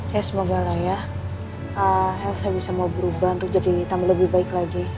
ya semoga lah ya health saya bisa mau berubah untuk jadi tambah lebih baik lagi